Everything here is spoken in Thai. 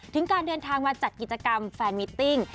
การเดินทางมาจัดกิจกรรมแฟนมิตติ้ง